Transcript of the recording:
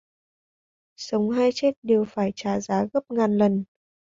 Sống hay chết đều phải trả giá gấp ngàn lần